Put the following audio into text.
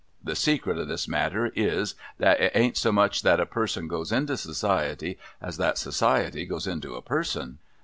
— The secret of this matter is, that it ain't so much that a person goes into Society, as that Society goes into a person.'